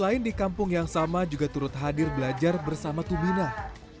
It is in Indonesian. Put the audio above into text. selain di kampung yang sama juga turut hadir belajar bersama tuminah